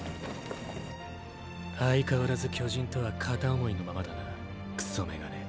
相変わらず巨人とは片想いのままだなクソメガネ。